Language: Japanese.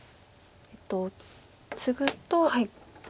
ツグと。